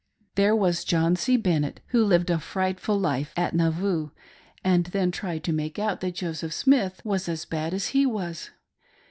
There was John C. Bennett who lived a frightful life at Nauvoo, and then tried to make out that Joseph Smith was as bad as he was.